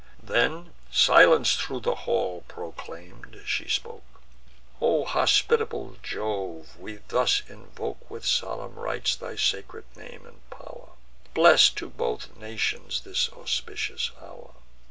Then, silence thro' the hall proclaim'd, she spoke: "O hospitable Jove! we thus invoke, With solemn rites, thy sacred name and pow'r; Bless to both nations this auspicious hour!